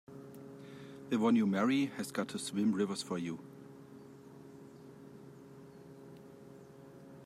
The one you marry has got to swim rivers for you!